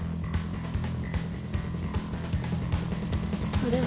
それは。